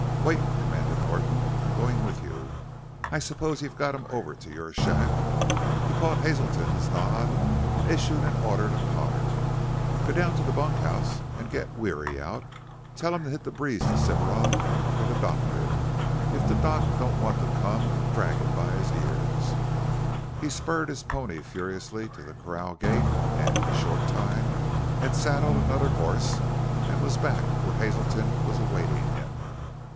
"Wait!" commanded Norton. "I'm going with you. I suppose you've got him over to your shack?" He caught Hazelton's nod and issued an order to Potter. "Go down to the bunkhouse and get Weary out. Tell him to hit the breeze to Cimarron for the doctor. If the doc' don't want to come drag him by the ears!" He spurred his pony furiously to the corral gate and in a short time had saddled another horse and was back where Hazelton was awaiting him.